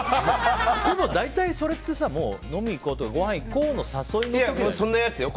でも大体それって飲み行こうとかごはんにいこうの誘いの時ですよね。